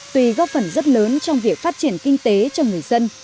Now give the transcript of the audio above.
tuy góp phần rất lớn trong việc phát triển kinh tế cho người dân